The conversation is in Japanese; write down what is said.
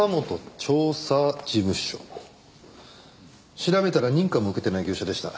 調べたら認可も受けてない業者でした。